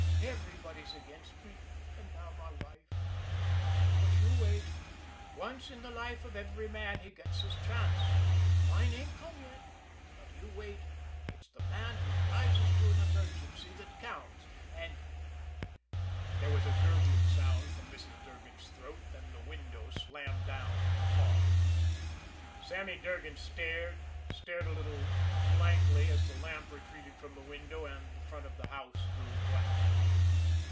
Everybody's against me and now my wife. But you wait. Once in the life of every man he gets his chance. Mine ain't come yet. But you wait! It's the man who rises to an emergency that counts, and " There was a gurgling sound from Mrs. Durgan's throat. Then the window slammed down hard. Sammy Durgan stared, stared a little blankly as the lamp retreated from the window and the front of the house grew black.